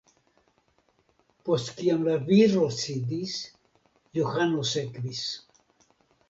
Post kiam la viro sidis, Johano sekvis.